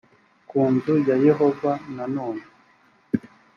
ku nzu ya yehova nanone